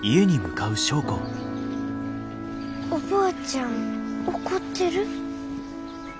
おばあちゃん怒ってる？